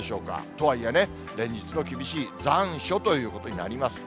とはいえね、連日の厳しい残暑ということになります。